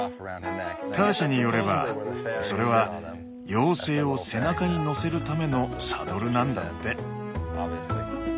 ターシャによればそれは妖精を背中に乗せるためのサドルなんだって。